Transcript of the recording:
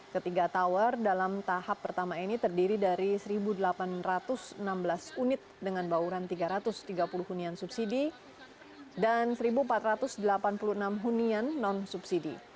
ketiga tower dalam tahap pertama ini terdiri dari satu delapan ratus enam belas unit dengan bauran tiga ratus tiga puluh hunian subsidi dan satu empat ratus delapan puluh enam hunian non subsidi